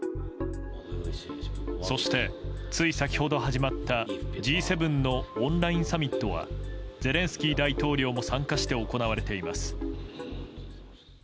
そして、つい先ほど始まったＧ７のオンラインサミットはゼレンスキー大統領も参加して行われています。